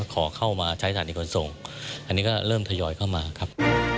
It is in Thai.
ขอเข้ามาใช้สถานีขนส่งอันนี้ก็เริ่มทยอยเข้ามาครับ